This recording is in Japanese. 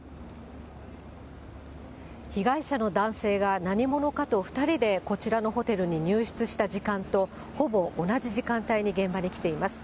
被害者の男性が何者かと２人でこちらのホテルに入室した時間とほぼ同じ時間帯に現場に来ています。